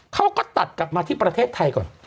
เขาก็ตัดกลับมาที่ประเทศไทยก่อน